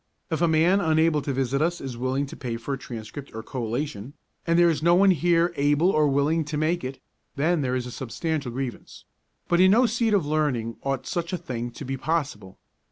If a man unable to visit us is willing to pay for a transcript or collation, and there is no one here either able or willing to make it, then there is a substantial grievance; but in no seat of learning ought such a thing to be possible.